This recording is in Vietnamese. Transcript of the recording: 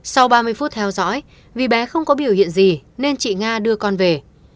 sau ba mươi phút theo dõi vì bé không có biểu hiện gì nên chị nga đưa con về